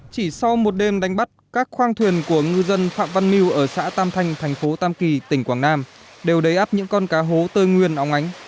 chỉ sau một đêm đánh bắt các khoang thuyền của ngư dân phạm văn miu ở xã tam thanh thành phố tam kỳ tỉnh quảng nam đều đầy áp những con cá hố tươi nguyền ống ánh